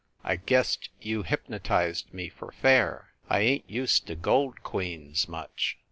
I guessed you hypnotized me for fair. I ain t used to gold queens, much.